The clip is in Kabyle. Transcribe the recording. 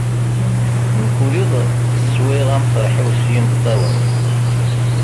Mkul iḍ, swayeɣ ameṭreḥ-iw s yimeṭṭawen.